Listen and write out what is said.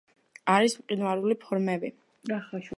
არის მყინვარული ფორმები.